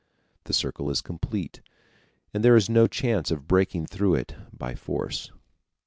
The circle is complete, and there is no chance of breaking through it by force.